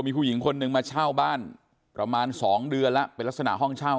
มีผู้หญิงคนนึงมาเช่าบ้านประมาณ๒เดือนแล้วเป็นลักษณะห้องเช่า